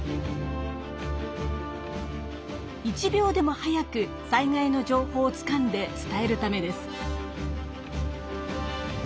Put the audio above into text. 一秒でも早く災害の情報をつかんで伝えるためです。